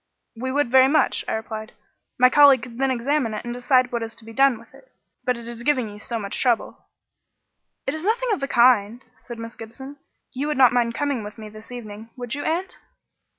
"We should very much," I replied. "My colleague could then examine it and decide what is to be done with it. But it is giving you so much trouble." "It is nothing of the kind," said Miss Gibson. "You would not mind coming with me this evening, would you, aunt?"